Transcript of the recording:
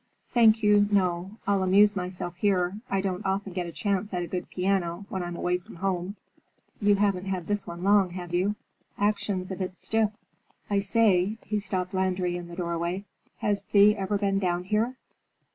"Thank you, no. I'll amuse myself here. I don't often get a chance at a good piano when I'm away from home. You haven't had this one long, have you? Action's a bit stiff. I say," he stopped Landry in the doorway, "has Thea ever been down here?"